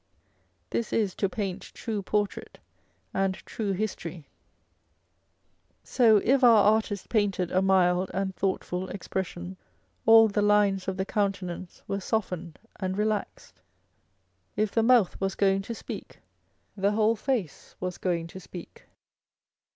This is to paint true portrait and true history. So if our artist painted a mild and thoughtful expression, all the lines of the countenance were softened and relaxed. If the mouth was going to speak, the whole face was going to speak.